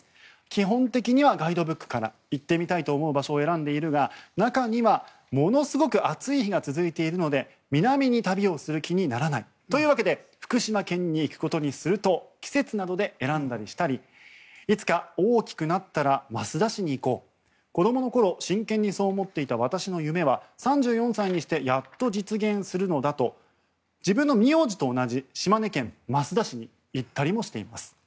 基本的にはガイドブックから行ってみたいと思う場所を選んでいるが中にはものすごく暑い日が続いているので南に旅をする気にならないというわけで福島県に行くことにすると季節などで選んだりしたりいつか大きくなったら益田市に行こう子どもの頃真剣にそう思っていた私の夢は３４歳にしてやっと実現するのだと自分の名字と同じ島根県益田市に行ったりもしています。